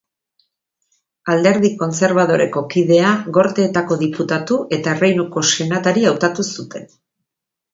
Alderdi Kontserbadoreko kidea, Gorteetako diputatu eta Erreinuko senatari hautatu zuten.